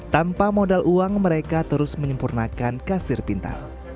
tanpa modal uang mereka terus menyempurnakan kasir pintar